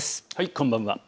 こんばんは。